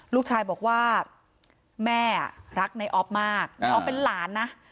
ลูกชายบอกว่าแม่อ่ะรักนายออฟต์มากนายออฟต์เป็นหลานนะ